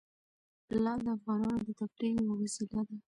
لعل د افغانانو د تفریح یوه وسیله ده.